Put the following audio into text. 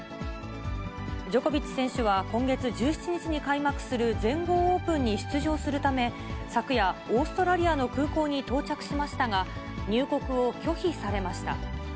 ジョコビッチ選手は、今月１７日に開幕する全豪オープンに出場するため、昨夜、オーストラリアの空港に到着しましたが、入国を拒否されました。